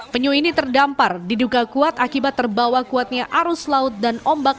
penyu ini terdampar diduga kuat akibat terbawa kuatnya arus laut dan ombak